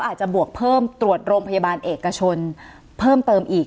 อาจจะบวกเพิ่มตรวจโรงพยาบาลเอกชนเพิ่มเติมอีก